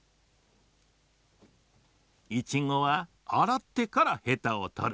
イチゴはあらってからへたをとる。